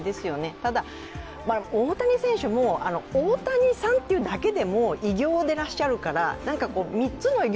ただ、大谷選手、大谷さんというだけでも偉業でらっしゃるから、３つの偉業